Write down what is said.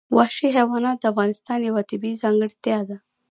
وحشي حیوانات د افغانستان یوه طبیعي ځانګړتیا ده.